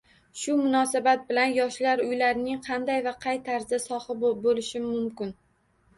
Shu munosabat bilan “Yoshlar uylari”ning qanday va qay tarzda sohibi bo‘lishim mumkin?